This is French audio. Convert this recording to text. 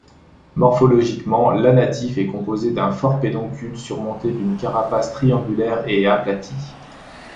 Morphologiquement, l'anatife est composé d'un fort pédoncule surmonté d'une carapace triangulaire et aplatie.